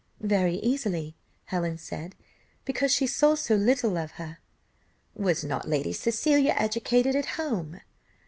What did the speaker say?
"Very easily," Helen said, "because she saw so little of her." "Was not Lady Cecilia educated at home?"